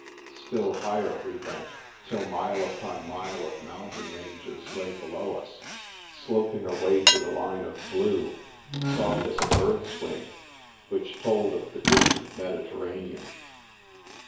Still higher we went, till mile upon mile of mountain ranges lay below us, sloping away to the line of blue, soft as a bird's wing, which told of the distant Mediter ranean.